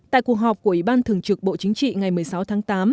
tại cuộc họp của ủy ban thường trực bộ chính trị ngày một mươi sáu tháng tám